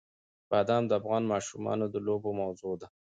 بادام د افغان ماشومانو د لوبو موضوع ده.